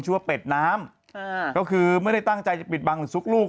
ว่าเป็ดน้ำก็คือไม่ได้ตั้งใจจะปิดบังหรือซุกลูก